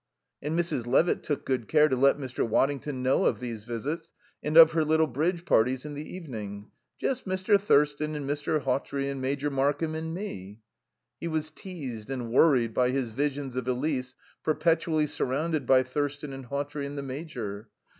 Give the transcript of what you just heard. And Mrs. Levitt took good care to let Mr. Waddington know of these visits, and of her little bridge parties in the evening. "Just Mr. Thurston and Mr. Hawtrey and Major Markham and me." He was teased and worried by his visions of Elise perpetually surrounded by Thurston and Hawtrey and the Major.